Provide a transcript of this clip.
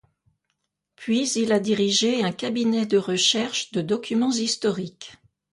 Puis il a dirigé un cabinet de recherches de documents historiques.